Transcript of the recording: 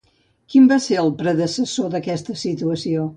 Quin va ser el predecessor d'aquesta situació?